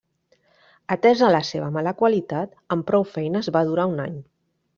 Atesa la seva mala qualitat, amb prou feines va durar un any.